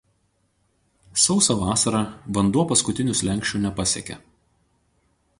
Sausą vasarą vanduo paskutinių slenksčių nepasiekia.